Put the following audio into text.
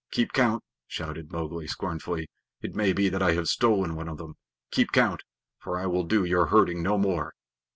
"Keep count!" shouted Mowgli scornfully. "It may be that I have stolen one of them. Keep count, for I will do your herding no more.